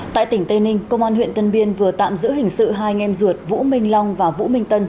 tại tỉnh tây ninh công an huyện tân biên vừa tạm giữ hình sự hai nghem ruột vũ minh long và vũ minh tân